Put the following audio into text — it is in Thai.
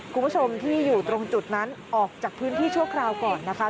คุณผู้ชมที่อยู่ตรงจุดนั้นออกจากพื้นที่ชั่วคราวก่อนนะคะ